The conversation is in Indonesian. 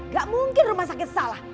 gak mungkin rumah sakit salah